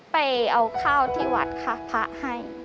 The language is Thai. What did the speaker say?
ไปเอาข้าวที่วัดค่ะพระให้